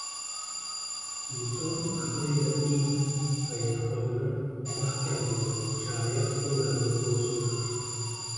Inson aqli ila din va e’tiqodini mahkam qilur, shariat hukmlariga bo’yunsunar